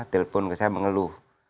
telepon ke saya mengeluh